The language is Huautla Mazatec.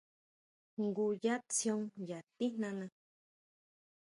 Jngu yá tsión yá tijnana.